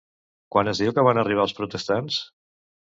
Quan es diu que van arribar els protestants?